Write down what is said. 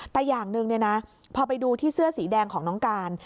แต่อย่างหนึ่งพอไปดูที่เสื้อสีแดงของน้องการ